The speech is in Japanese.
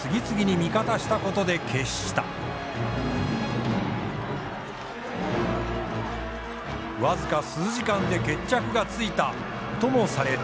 僅か数時間で決着がついたともされている。